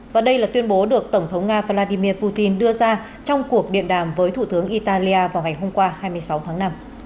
và đây là tuyên bố được tổng thống nga vladimir putin đưa ra trong cuộc điện đàm với thủ tướng italia vào ngày hôm qua hai mươi sáu tháng năm